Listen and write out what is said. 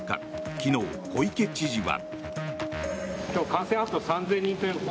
昨日、小池知事は。